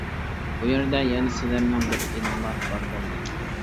بۇ يەردە يەنە سىلەرنىڭ بىر ئىنىڭلار بار بولدى.